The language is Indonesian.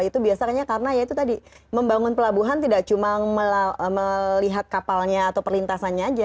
itu biasanya karena ya itu tadi membangun pelabuhan tidak cuma melihat kapalnya atau perlintasannya aja